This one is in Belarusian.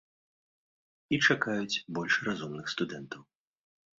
І чакаюць больш разумных студэнтаў.